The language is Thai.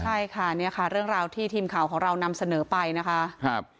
ใช่ค่ะเนี่ยค่ะเรื่องราวที่ทีมข่าวของเรานำเสนอไปนะคะครับ